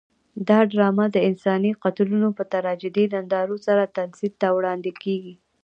دا ډرامه د انساني قتلونو په تراژیدي نندارو سره تمثیل ته وړاندې کېږي.